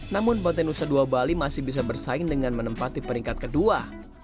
namun pantai nusa dua bali masih bisa bersaing dengan menempati peringkat kedua